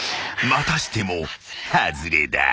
［またしてもハズレだ］